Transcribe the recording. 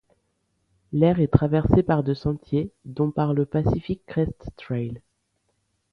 L'aire est traversée par de sentiers, dont par le Pacific Crest Trail.